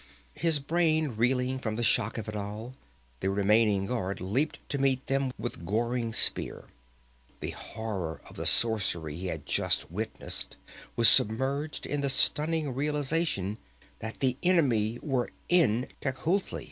His brain reeling from the shock of it all, the remaining guard leaped to meet them with goring spear. The horror of the sorcery he had just witnessed was submerged in the stunning realization that the enemy were in Tecuhltli.